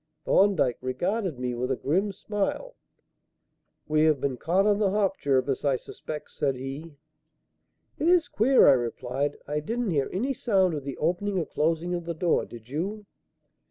Thorndyke regarded me with a grim smile. "We have been caught on the hop, Jervis, I suspect," said he. "It is queer," I replied. "I didn't hear any sound of the opening or closing of the door; did you?"